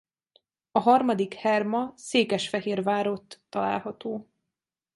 A harmadik herma Székesfehérvárott található.